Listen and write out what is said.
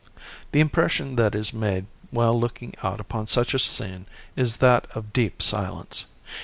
The impression that is made while looking out upon such a scene is that of deep silence.